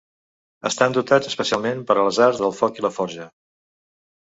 Estan dotats especialment per a les arts del foc i la forja.